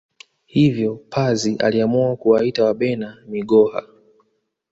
Hivyo pazi aliamua kuwaita Wabena Migoha